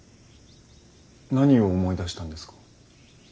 何を思い出したんですか？